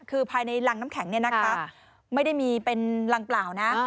คือภายในรังน้ำแข็งเนี่ยนะคะไม่ได้มีเป็นรังเปล่านะ